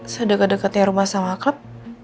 sedeke deketnya rumah sama klub